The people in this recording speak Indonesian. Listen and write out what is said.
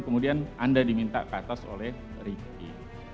kemudian anda diminta ke atas oleh ricky